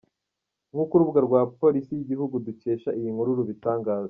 Nk’uko urubuga rwa Polisi y’igihugu dukesha iyi nkuru rubitangaza.